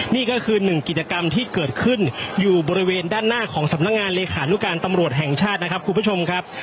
นี่ก็คือหนึ่งกิจกรรมที่เกิดขึ้นอยู่บริเวณด้านหน้าของสำนักงานเลขานุการตำรวจแห่งชาตินะครับคุณผู้ชมครับ